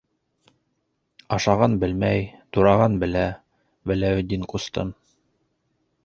Ашаған белмәй, тураған белә, Вәләүетдин ҡустым.